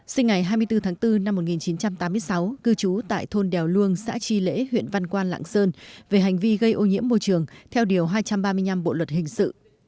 sinh ngày hai mươi bốn tháng bốn năm một nghìn chín trăm tám mươi sáu cư trú tại thôn đèo luông xã tri lễ huyện văn quan lạng sơn về hành vi gây ô nhiễm môi trường theo điều hai trăm ba mươi năm bộ luật hình sự